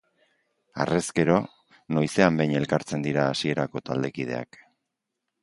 Harrezkero, noizean behin elkartzen dira hasierako taldekideak.